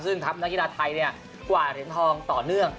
ซึ่งนะครับนักทีราทัยนั้นกว่าเถียงทำต่อเนื่อง